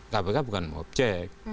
kpk bukan objek